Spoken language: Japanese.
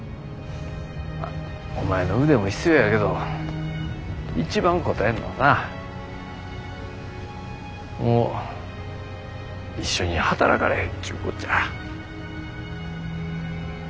お前の腕も必要やけど一番こたえんのはなもう一緒に働かれへんちゅうこっちゃ。